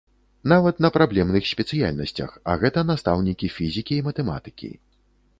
Нават на праблемных спецыяльнасцях, а гэта настаўнікі фізікі і матэматыкі.